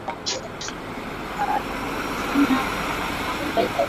Waokoaji wamechukua miili ishirini na sita